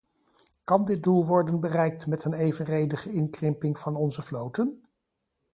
Kan dit doel worden bereikt met een evenredige inkrimping van onze vloten?